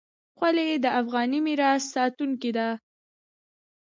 خولۍ د افغاني میراث ساتونکې ده.